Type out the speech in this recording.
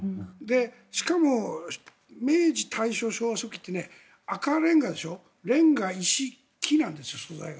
しかも明治、大正、昭和初期って赤レンガでしょレンガ、石、木なんです素材が。